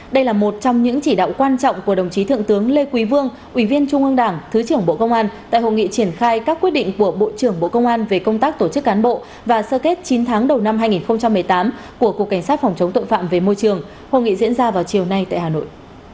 đây là một trong những chỉ đạo quan trọng của đồng chí thượng tướng lê quý vương ủy viên trung ương đảng thứ trưởng bộ công an tại hội nghị triển khai các quyết định của bộ trưởng bộ công an về công tác tổ chức cán bộ và sơ kết chín tháng đầu năm hai nghìn một mươi tám của cục cảnh sát phòng chống tội phạm về môi trường hội nghị diễn ra vào chiều nay tại hà nội